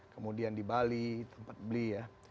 kemudian di bali tempat beli ya